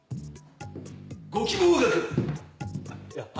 ご希望額は？